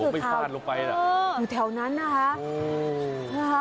ผู้สืบเขาอยู่แถวนั้นนะคะ